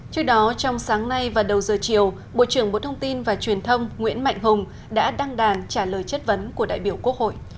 trước đó trong sáng nay và đầu giờ chiều bộ trưởng bộ thông tin và truyền thông nguyễn mạnh hùng đã đăng đàn trả lời chất vấn của đại biểu quốc hội